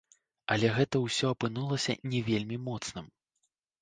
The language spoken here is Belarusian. Але гэта ўсё апынулася не вельмі моцным.